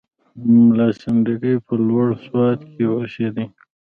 ملا سنډکی په لوړ سوات کې اوسېدی.